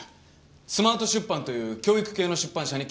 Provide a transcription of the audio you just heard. スマート出版という教育系の出版社に勤務。